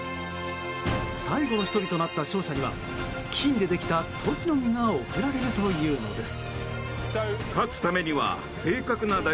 最後の１人となった勝者には金でできたトチの実が贈られるというのです。